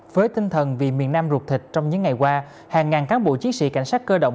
với tinh thần vì miền nam ruột thịt trong những ngày qua hàng ngàn cán bộ chiến sĩ cảnh sát cơ động